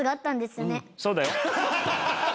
そうだよ。